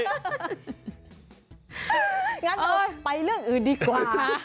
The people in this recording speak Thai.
งั้นไปเรื่องอื่นดีกว่า